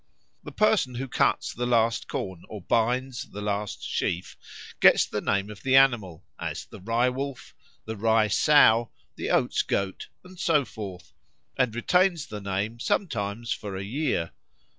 The person who cuts the last corn or binds the last sheaf gets the name of the animal, as the Rye wolf, the Rye sow, the Oats goat, and so forth, and retains the name sometimes for a year.